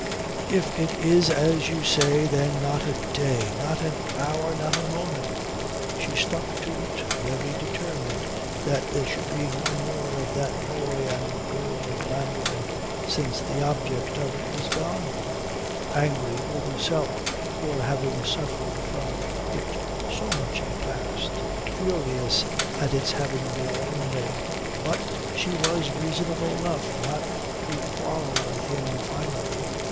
If it is as you say then not a day, not an hour, not a moment." She stuck to it, very determined that there should be no more of that boy and girl philandering since the object of it was gone; angry with herself for having suffered from it so much in the past, furious at its having been all in vain. But she was reasonable enough not to quarrel with him finally.